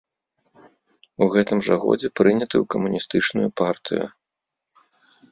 У гэтым жа годзе прыняты ў камуністычную партыю.